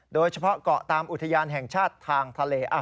โดยเฉพาะเกาะตามอุทยานแห่งชาติทางทะเล